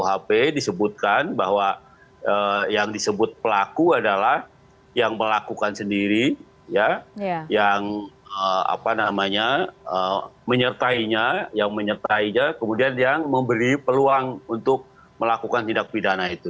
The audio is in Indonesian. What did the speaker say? hp disebutkan bahwa yang disebut pelaku adalah yang melakukan sendiri yang apa namanya yang menyertainya kemudian yang memberi peluang untuk melakukan tindak pidana itu